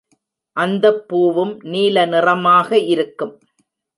அந்தப் பூவும் நீல நிறமாக இருக்கும்.